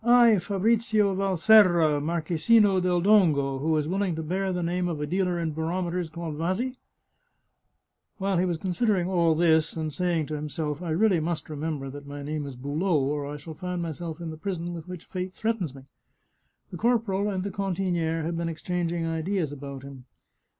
I, Fabrizio Valserra, Marchesino del Dongo, who is willing to bear the name of a dealer in barometers called Vasi ?" While he was considering all this and saying to him self, " I must really remember that my name is Boulot, or I shall find myself in the prison with which Fate threatens me," the corporal and the cantiniere had been exchanging ideas about him.